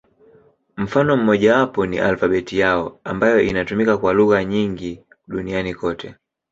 Mfano mmojawapo ni alfabeti yao, ambayo inatumika kwa lugha nyingi duniani kote.